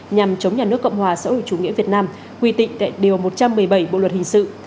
nhằm chống nhà nước cộng hòa xã hội chủ nghĩa việt nam quy định tại điều một trăm một mươi bảy bộ luật hình sự